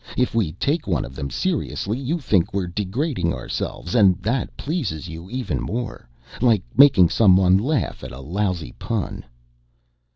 If we take one of them seriously, you think we're degrading ourselves, and that pleases you even more. Like making someone laugh at a lousy pun."